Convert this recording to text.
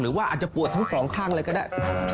หรือว่าอาจจะปวดทั้งสองข้างเลยก็ได้